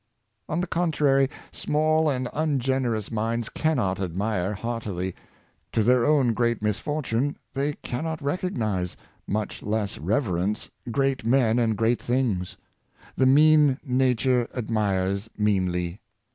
On the contrary, small and ungenerous minds cannot admire heartily. To their own great misfortune, they cannot recognize, much less reverence, great men and great things. The mean nature admires meanly.